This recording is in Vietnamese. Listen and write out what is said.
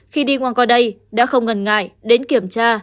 khi đi ngang qua đây đã không ngần ngại đến kiểm tra